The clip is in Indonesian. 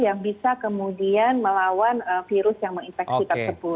yang bisa kemudian melawan virus yang menginfeksi tersebut